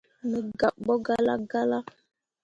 Me gabɓo galla galla.